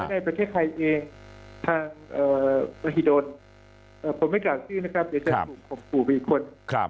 ในประเทศไทยเองทางมหิดลผมไม่กล่าวชื่อนะครับเดี๋ยวจะถูกข่มขู่ไปอีกคน